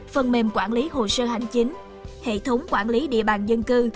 phần mềm quản lý hồ sơ hành chính hệ thống quản lý địa bàn dân cư